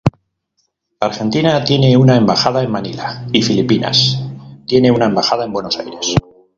Argentina tiene una embajada en Manila, y Filipinas tiene una embajada en Buenos Aires.